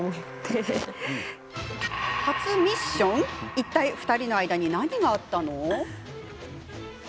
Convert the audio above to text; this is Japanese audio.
いったい２人の間に何があったの？